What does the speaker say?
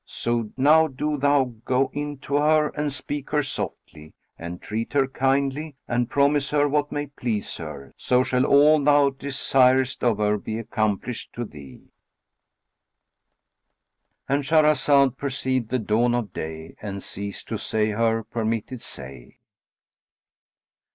So now do thou go in to her and speak her softly and treat her kindly, and promise her what may please her; so shall all thou desirest of her be accomplished to thee."—And Shahrazad perceived the dawn of day and ceased to say her permitted say.